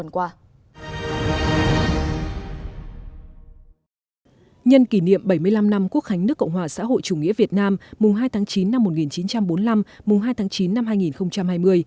quốc khánh nước cộng hòa xã hội chủ nghĩa việt nam mùng hai tháng chín năm một nghìn chín trăm bốn mươi năm mùng hai tháng chín năm hai nghìn hai mươi